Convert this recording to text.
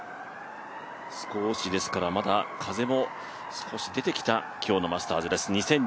少しですから、風も出てきた今日のマスターズです。